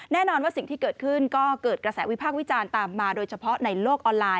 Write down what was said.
แน่นอนว่าสิ่งที่เกิดขึ้นก็เกิดกระแสวิพากษ์วิจารณ์ตามมาโดยเฉพาะในโลกออนไลน